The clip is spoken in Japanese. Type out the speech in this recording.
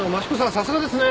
さすがですね。